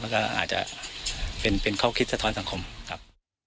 แล้วก็อาจจะเป็นข้อคิดสะท้อนสังคมครับ